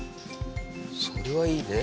それはいいね。